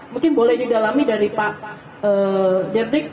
mungkin boleh didalami dari pak jendrik